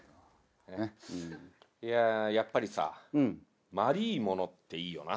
いややっぱりさまりぃものっていいよな。